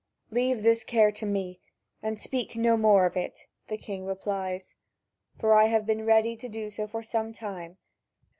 "Leave this care to me, and speak no more of it," the king replies, "for I have been ready to do so for some time.